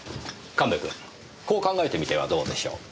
神戸君こう考えてみてはどうでしょう。